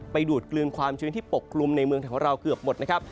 ไปดูดกลืนความชื้นที่ปกกลุ่มในเมืองไทยของเราเกือบหมดนะครับ